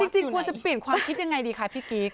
จริงกว่าจะเปลี่ยนความคิดอย่างไรดีคะพี่กรี๊ก